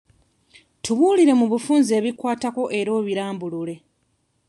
Tubuulire mu bufunze ebikukwatako era obirambulule.